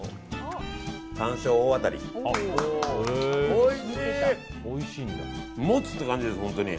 おいしい！もつって感じです、本当に。